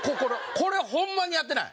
これはホンマにやってない。